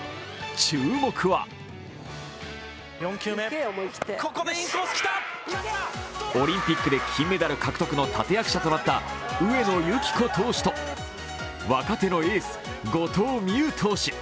注目はオリンピックで金メダル獲得の立役者となった上野由岐子投手と若手のエース、後藤希友投手。